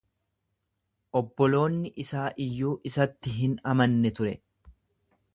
Obboloonni isaa iyyuu isatti hin amanne ture.